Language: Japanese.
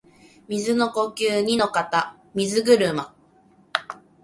水の呼吸弐ノ型水車（にのかたみずぐるま）